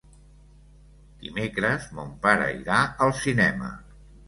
Dimecres mon pare irà al cinema.